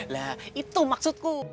nah itu maksudku